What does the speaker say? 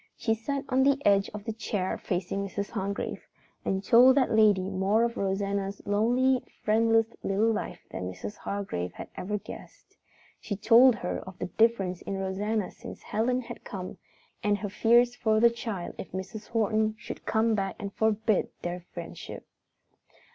She sat on the edge of the chair facing Mrs. Hargrave and told that lady more of Rosanna's lonely, friendless little life than Mrs. Hargrave had ever guessed. She told her of the difference in Rosanna since Helen had come, and her fears for the child if Mrs. Horton should come back and forbid their friendship.